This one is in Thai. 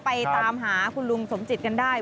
ไปตามหาคุณลุงสมจิตกันได้